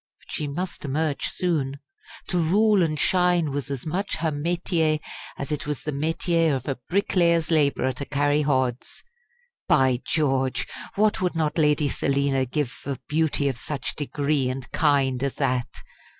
But she must emerge soon. To rule and shine was as much her métier as it was the métier of a bricklayer's labourer to carry hods. By George! what would not Lady Selina give for beauty of such degree and kind as that!